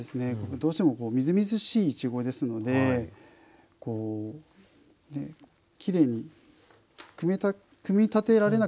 どうしてもみずみずしいいちごですのできれいに組み立てられなくなっちゃうんですよね。